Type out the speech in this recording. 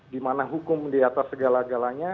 dimana hukum di atas segala galanya